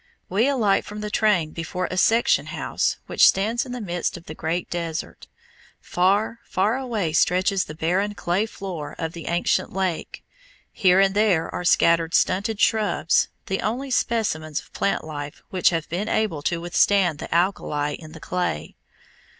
We alight from the train before a section house which stands in the midst of the great desert. Far, far away stretches the barren clay floor of the ancient lake. Here and there are scattered stunted shrubs, the only specimens of plant life which have been able to withstand the alkali in the clay.